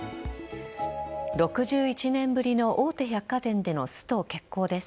６１年ぶりの大手百貨店でスト決行です。